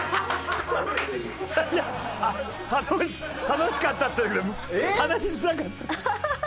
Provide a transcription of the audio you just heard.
「楽しかった」って言うけど「話しづらかった」って。